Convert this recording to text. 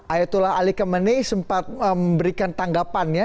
ayatullah ali khamenei sempat memberikan tanggapan ya